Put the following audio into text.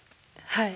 はい。